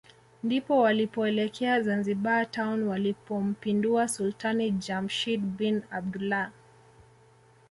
ndipo walipoelekea Zanzibar Town walipompindua Sultani Jamshid bin Abdullah